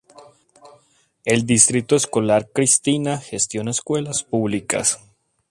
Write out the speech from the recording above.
El Distrito Escolar Christina gestiona escuelas públicas.